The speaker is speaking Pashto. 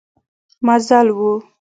مزل و.